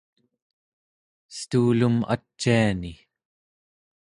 estuulum aciani